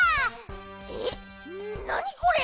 えっなにこれ！